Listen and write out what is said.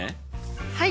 はい！